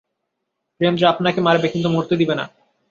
প্রেম যা আপনাকে মারবে কিন্তু মরতে দিবে না।